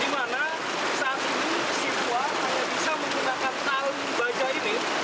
dimana saat ini si tua hanya bisa menggunakan talibah aja ini